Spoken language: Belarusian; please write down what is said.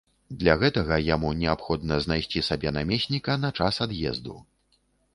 Для гэтага яму неабходна знайсці сабе намесніка на час ад'езду.